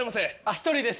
１人です。